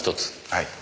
はい。